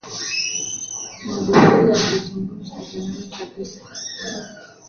Magufuli alikuwa akizungumza hadharani kabisa